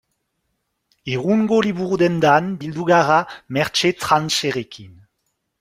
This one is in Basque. Irungo liburu-dendan bildu gara Mertxe Trancherekin.